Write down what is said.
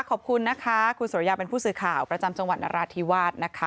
ขอบคุณนะคะคุณสุริยาเป็นผู้สื่อข่าวประจำจังหวัดนราธิวาสนะคะ